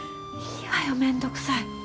いいわよめんどくさい